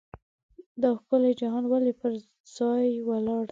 دا ښکلی جهان ولې پر ځای ولاړ دی.